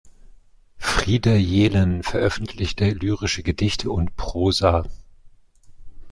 Frieder Jelen veröffentlichte lyrische Gedichte und Prosa.